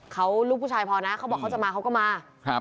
เขาลูกผู้ชายพอนะเขาบอกเขาจะมาเขาก็มาครับ